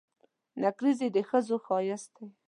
نکریزي د ښځو ښایست دي.